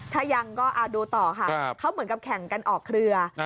ถ้ายังก็ดูต่อค่ะเขาเหมือนกับแข่งกันออกเครือ